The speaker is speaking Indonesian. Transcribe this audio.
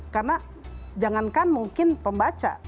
karena jangankan mungkin pembaca